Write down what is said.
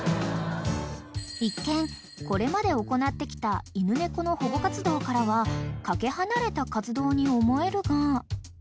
［一見これまで行ってきた犬猫の保護活動からは懸け離れた活動に思えるが］